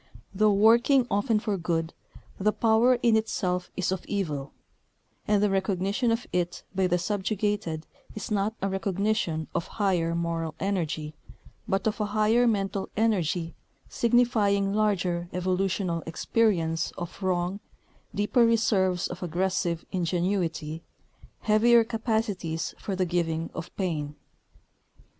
Though working often for good, the power in itself is of evil; and the recognition of it by the subjugated is not a recognition of higher moral energy, but of a higher mental energy signifying larger evolutional experience of wrong, deeper reserves of aggressive ingenuity, heavier capacities for the giving of pain.